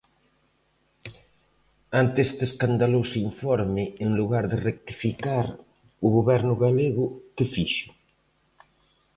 Ante este escandaloso informe, en lugar de rectificar, ¿o Goberno galego que fixo?